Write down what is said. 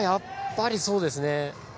やっぱりそうですね。